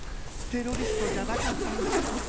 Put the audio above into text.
テロリストじゃなかったんだ